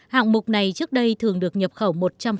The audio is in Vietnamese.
hạng mục này trước đây thường được nhập khẩu một trăm linh